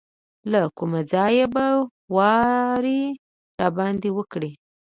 له کومه ځایه به واری راباندې وکړي.